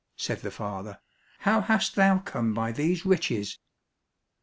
said the father, "how hast thou come by these riches?"